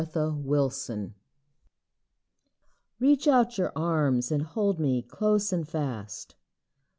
AT BAY WIFE Reach out your arms, and hold me close and fast.